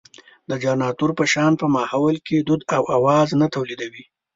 د جنراتور په شان په ماحول کې دود او اواز نه تولېدوي.